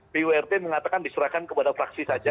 purt mengatakan diserahkan kepada fraksi saja